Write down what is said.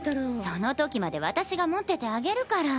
その時まで私が持っててあげるから。